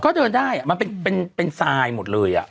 ก็เดินได้มันเป็นทรายหมดเลย